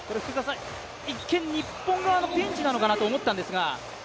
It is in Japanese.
一見、日本側のピンチなのかなと思ったんですが。